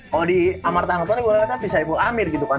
kalo di amarta hangtua nih gua liat kan bisa ibu amir gitu kan